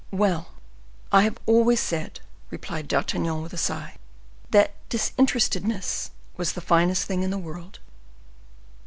"Well, I have always said," replied D'Artagnan, with a sigh, "that disinterestedness was the finest thing in the world."